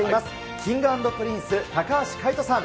Ｋｉｎｇ＆Ｐｒｉｎｃｅ・高橋海人さん。